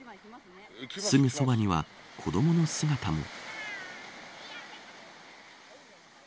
すぐそばには、子どもの姿も。